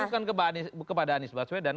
gak mungkin ditususkan kepada anies baswedan